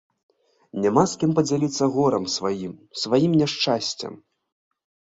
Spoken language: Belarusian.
Няма з кім падзяліцца горам сваім, сваім няшчасцем.